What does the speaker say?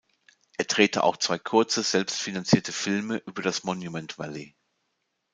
Er drehte auch zwei kurze, selbst finanzierte Filme über das Monument Valley.